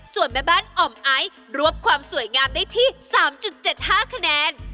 ส่วนแม่บ้านอ่อมไอซ์รวบความสวยงามได้ที่๓๗๕คะแนน